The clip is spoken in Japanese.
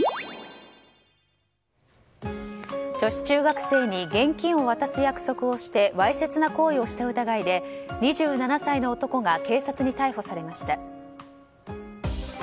女子中学生に現金を渡す約束をしてわいせつな行為をした疑いで２７歳の男が警察に逮捕されました。